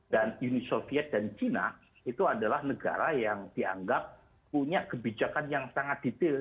dan uni soviet dan china itu adalah negara yang dianggap punya kebijakan yang sangat detail